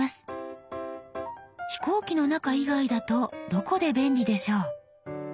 飛行機の中以外だとどこで便利でしょう？